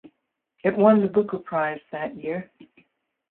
It won the Booker Prize that year.